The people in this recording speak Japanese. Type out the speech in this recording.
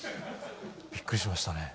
びっくりしましたね。